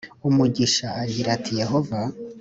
umugisha f agira ati Yehova